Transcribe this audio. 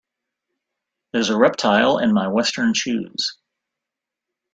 There is a reptile in my western shoes.